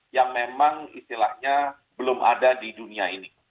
yang memang istilahnya belum ada di dunia ini